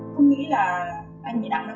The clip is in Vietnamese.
không nghĩ là anh bị nặng đâu